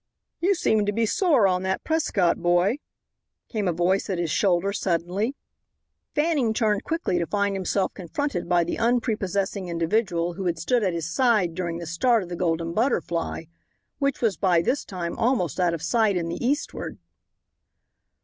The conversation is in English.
"You seem to be sore on that Prescott boy," came a voice at his shoulder suddenly. Fanning turned quickly to find himself confronted by the unprepossessing individual who had stood at his side during the start of the Golden Butterfly, which was by this time almost out of sight in the eastward.